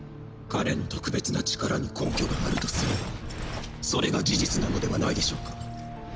彼の特別な力に根拠があるとすればそれが事実なのではないでしょうか。